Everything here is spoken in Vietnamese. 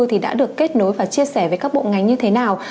thì đã được kết nối và chia sẻ với các bộ ngành như thế nào